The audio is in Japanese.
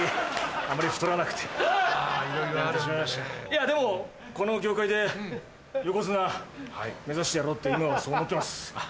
いやでもこの業界で横綱目指してやろうって今はそう思ってます。